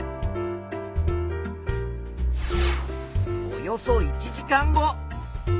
およそ１時間後。